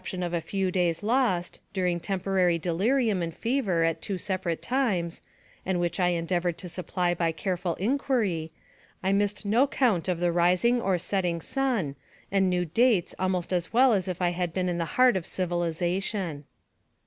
123 tion of a few days lost, during temporary delirium and fever at two separate times, and which I en deavored to supply by careful inquiry, I missed no count of the rising or setting sun, and knew dates almost as well as if I had been in the heart of civ ilization.